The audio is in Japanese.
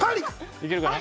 いけるかな？